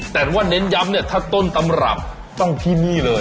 แต่ว่าเน้นย้ำเนี่ยถ้าต้นตำรับต้องที่นี่เลย